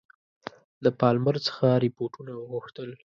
له پالمر څخه رپوټونه وغوښتل.